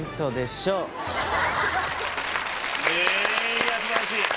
いや素晴らしい！